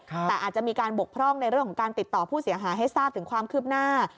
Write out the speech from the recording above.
แต่อาจจะมีการบกพร่องในเรื่องของการติดต่อผู้เสียหายให้ทราบถึงความคืบหน้า